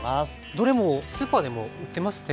どれもスーパーでも売ってますね